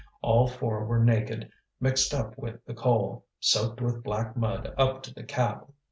All four were naked, mixed up with the coal, soaked with black mud up to the cap.